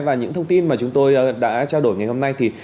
và những thông tin mà chúng tôi đã trao đổi ngày hôm nay